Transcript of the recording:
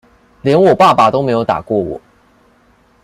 連我爸爸都沒有打過我